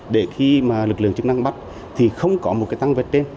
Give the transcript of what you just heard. để khi mà lực lượng chức năng bắt thì không có một cái tăng vật trên